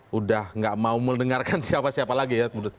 sudah nggak mau mendengarkan siapa siapa lagi ya